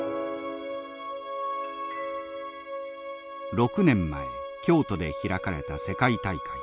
６年前京都で開かれた世界大会。